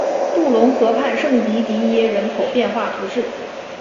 杜龙河畔圣迪迪耶人口变化图示